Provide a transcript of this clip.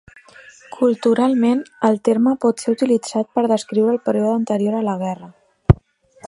Culturalment, el terme pot ser utilitzat per descriure el període anterior a la guerra.